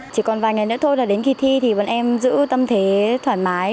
chỉ còn vài ngày nữa thôi là đến kỳ thi thì bọn em giữ tâm thế thoải mái